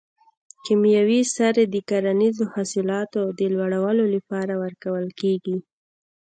کیمیاوي سرې د کرنیزو حاصلاتو د لوړولو لپاره ورکول کیږي.